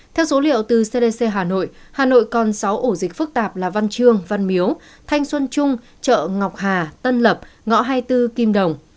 theo số liệu từ cdc hà nội hà nội còn sáu ổ dịch phức tạp là văn trương văn miếu thanh xuân trung chợ ngọc hà tân lập ngõ hai mươi bốn kim đồng